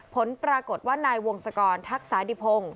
ผลปรากฏว่านายวงศกรทักษาดิพงศ์